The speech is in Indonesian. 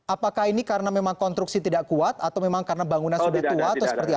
apakah ini karena memang konstruksi tidak kuat atau memang karena bangunan sudah tua atau seperti apa